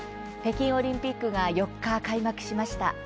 北京オリンピックが４日、開幕しました。